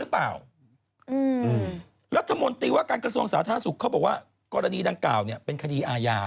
ผมถามคุณไว้มาบอกว่า